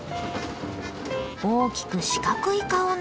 大きく四角い顔のニャン。